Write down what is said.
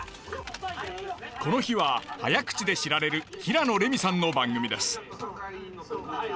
この日は早口で知られる平野レミさんの番組です。